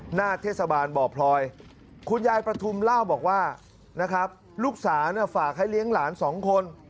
หน้าเทศบาลบ่อพลอยคุณยายประทุมเล่าบอกว่านะครับลูกสาวฝากให้เลี้ยงหลานสองคน